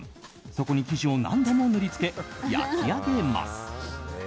そこに生地を何度も塗り付け焼き上げます。